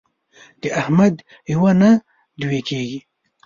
د احمد یوه نه دوې کېږي.